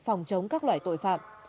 phòng chống các loại tội phạm